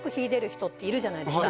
人っているじゃないですか